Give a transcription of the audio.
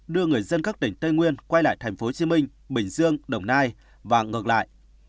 đưa người dân các tỉnh tây nguyên quay lại tp hcm bình dương đồng nai và ngược lại